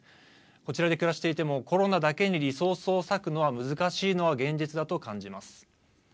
こちらで暮らしていてもコロナだけにリソースを割くのは難しいのが現実だと感じます。